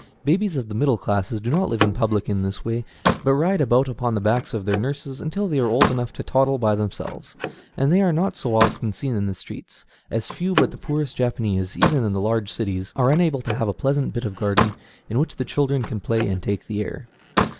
Babies of the middle classes do not live in public in this way, but ride about upon the backs of their nurses until they are old enough to toddle by themselves, and they are not so often seen in the streets; as few but the poorest Japanese, even in the large cities, are unable to have a pleasant bit of garden in which the children can play and take the air.